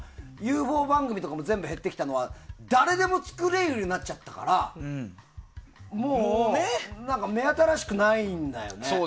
番組とかも減ってきたのが、誰でも作れるようになってきたからもう目新しくないんだよね。